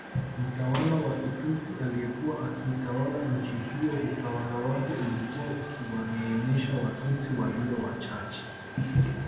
Mtawala wa Kitutsi aliyekuwa akiitawala nchi hiyo utawala wake ulikuwa ukiwaneemesha Watutsi walio wachache